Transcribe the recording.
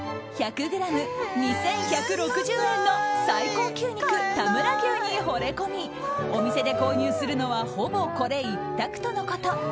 １００ｇ２１６０円の最高級肉、田村牛にほれ込みお店で購入するのはほぼこれ一択とのこと。